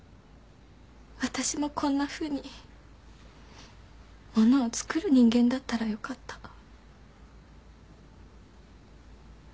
私もこんなふうに物を作る人間だったらよかった